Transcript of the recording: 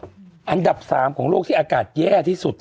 อันดับ๓ของโลกที่อากาศแย่ที่สุด